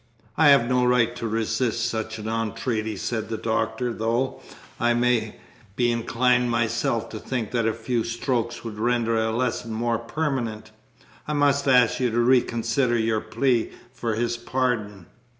"I have no right to resist such an entreaty," said the Doctor, "though I may be inclined myself to think that a few strokes would render the lesson more permanent. I must ask you to reconsider your plea for his pardon."